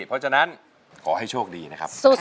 เพราะฉะนั้นขอให้โชคดีนะครับ